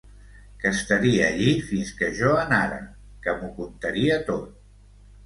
Que estaria allí fins que jo anara, que m'ho contaria tot...